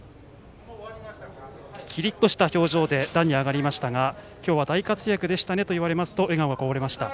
キリッとした表情で上がりましたが今日は大活躍でしたねと伝えますと笑顔でした。